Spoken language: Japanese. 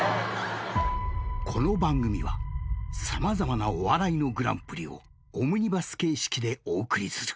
［この番組は様々なお笑いのＧＰをオムニバス形式でお送りする］